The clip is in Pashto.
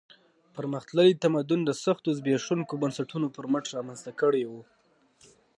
پرمختللی تمدن د سختو زبېښونکو بنسټونو پر مټ رامنځته کړی و.